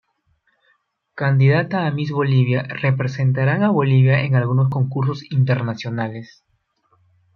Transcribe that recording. Candidata a Miss Bolivia representaran a Bolivia en algunos concursos internacionales.